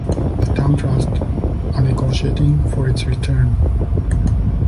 The Town Trust are negotiating for its return.